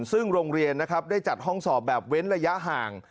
ซึ่งโรงเรียนนะครับได้จัดห้องสอบแบบเว้นระยะห่าง